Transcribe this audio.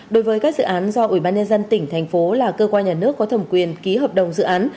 đối với các dự án do ủy ban nhân dân tỉnh thành phố là cơ quan nhà nước có thẩm quyền ký hợp đồng dự án